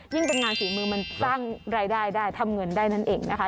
เป็นงานฝีมือมันสร้างรายได้ได้ทำเงินได้นั่นเองนะคะ